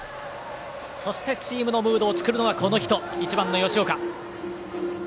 そして、チームのムードを作るのはこの人、１番の吉岡。